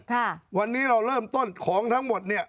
ค่ะวันนี้เราเริ่มต้นของทั้งหมดเนี่ย